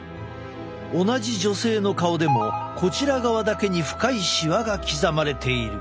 同じ女性の顔でもこちら側だけに深いシワが刻まれている。